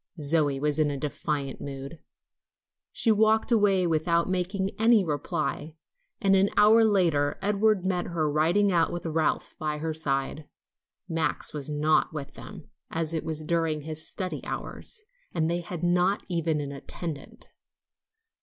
Zoe was in a defiant mood. She walked away without making any reply, and an hour later Edward met her riding out with Ralph by her side. Max was not with them, as it was during his study hours, and they had not even an attendant.